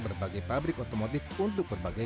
berbagai pabrik otomotif untuk berbagai